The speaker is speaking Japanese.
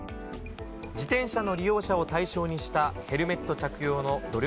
自転車の利用者を対象にしたヘルメット着用の努力